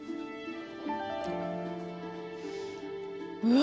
うわ！